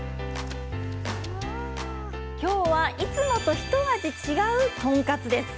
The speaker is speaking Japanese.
今日はいつもとひと味違うトンカツです。